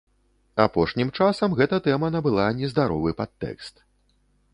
Апошнім часам гэта тэма набыла нездаровы падтэкст.